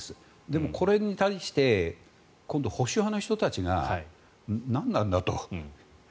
でも、これに対して今度は保守派の人たちが何なんだと。